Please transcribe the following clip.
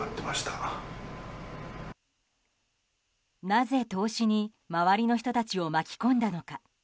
なぜ投資に周りの人たちを巻き込んだのか。